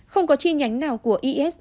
không có chi nhánh nào của isis